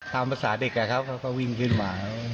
ตามภาษาเด็กเขาก็วิ่งขึ้นมา